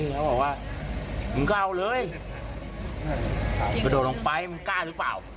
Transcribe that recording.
เขาบอกว่ามึงก็เอาเลยกระโดดลงไปมึงกล้าหรือเปล่า